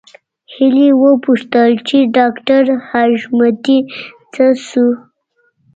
هيلې وپوښتل چې ډاکټر حشمتي څه شو